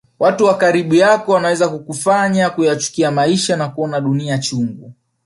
Watu wa karibu yako wanaweza kukufanya kuyachukia maisha na kuona dunia chungu